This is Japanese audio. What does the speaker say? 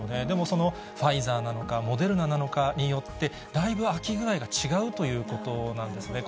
でもそのファイザーなのか、モデルナなのかによって、だいぶ空き具合が違うということなんです。